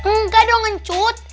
nggak dong ncut